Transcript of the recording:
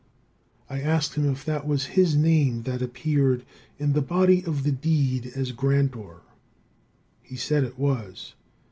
I asked him if that was his name that appeared in the body of the deed as grantor. He said it was.